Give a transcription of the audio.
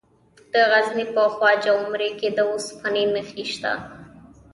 د غزني په خواجه عمري کې د اوسپنې نښې شته.